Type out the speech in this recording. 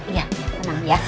iya tenang ya